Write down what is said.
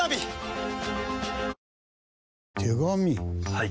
はい。